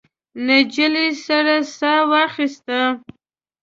نجلۍ سړه ساه واخیسته.